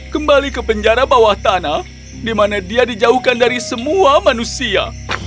kembali ke penjara bawah tanah di mana dia dijauhkan dari semua manusia